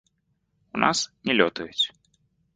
У нас не лётаюць.